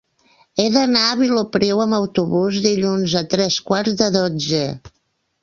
He d'anar a Vilopriu amb autobús dilluns a tres quarts de dotze.